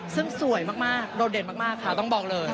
ซึ่งสวยมากโดดเด่นมากค่ะต้องบอกเลย